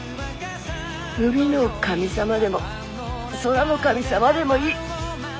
海の神様でも空の神様でもいい。